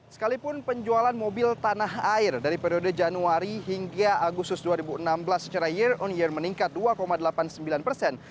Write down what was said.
sekalipun penjualan mobil tanah air dari periode januari hingga agustus dua ribu enam belas secara year on year meningkat dua delapan puluh sembilan persen